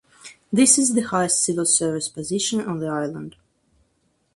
This is the highest civil service position on the island.